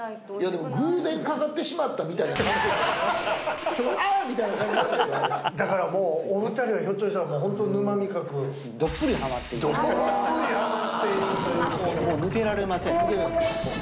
でも偶然かかってしまったみたいな感じで「ちょっああ！」みたいな感じでしたけどだからもうお二人はひょっとしたらホント沼味覚どっぷりハマっているというもう抜けられません